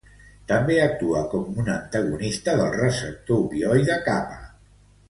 També actua com un antagonista del receptor opioide kappa.